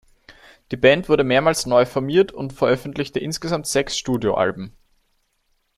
Die Band wurde mehrmals neu formiert und veröffentlichte insgesamt sechs Studioalben.